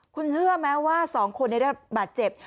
คุณเชื่อไหมว่า๒คนได้รับบาดเจ็บ